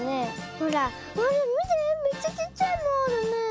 ほらみてめっちゃちっちゃいのあるね。